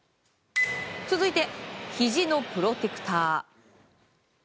続いて、ひじのプロテクター。